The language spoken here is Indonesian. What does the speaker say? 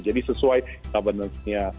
jadi sesuai governance nya